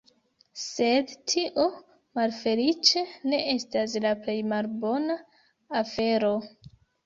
Sed tio, malfeliĉe, ne estas la plej malbona afero.